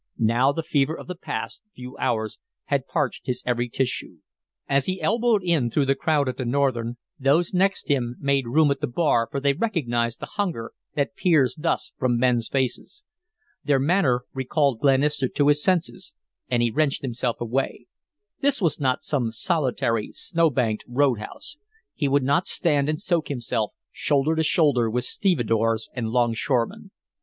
Now the fever of the past few hours had parched his every tissue. As he elbowed in through the crowd at the Northern, those next him made room at the bar for they recognized the hunger that peers thus from men's faces. Their manner recalled Glenister to his senses, and he wrenched himself away. This was not some solitary, snow banked road house. He would not stand and soak himself, shoulder to shoulder with stevedores and longshoremen.